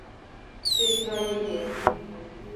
Сӧсна иге...